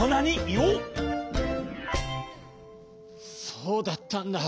そうだったんだ。